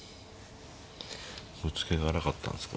ぶつけが粗かったんですか。